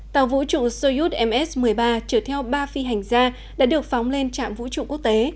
tàu vũ trụ soyut ms một mươi ba chở theo ba phi hành gia đã được phóng lên trạm vũ trụ quốc tế